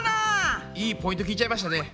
いいポイント聞いちゃいましたね。